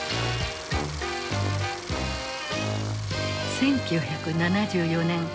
１９７４年。